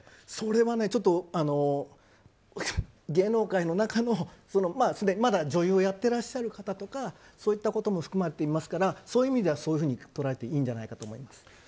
それは芸能界の中の、まだ女優をやっていらっしゃる方とかそういった方も含まれていますからそういった意味では捉えていいんじゃないかと思います。